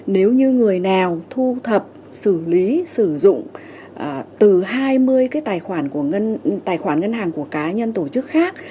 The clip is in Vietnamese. nếu như người nào thu thập xử lý sử dụng từ hai mươi cái tài khoản ngân hàng của cá nhân tổ chức khác